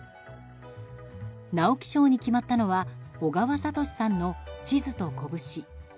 直木賞に決まったのは小川哲さんの「地図と拳」。